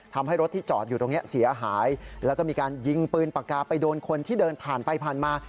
ทำให้รถที่จอดอยู่ตรงนี้เสียหายแล้วก็มีการยิงปืนปากกาไปโดนคนที่เดินผ่านไปผ่านมา